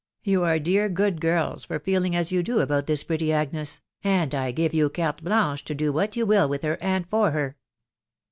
..• You are dear good girls for feeling as you do about this pretty Agnes, and I give you. carte blanche to do what you will with her and for her."